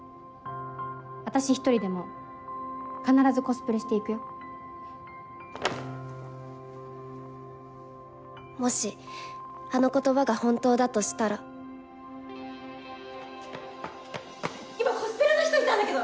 私１人でも必ずコスプレして行くよもしあの言葉が本当だとしたら今コスプレの人いたんだけど！